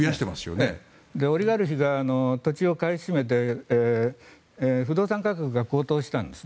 オリガルヒが土地を買い占めて不動産価格が高騰していたんです